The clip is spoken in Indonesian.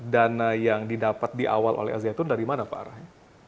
dana yang didapat di awal oleh al zaitun dari mana pak rai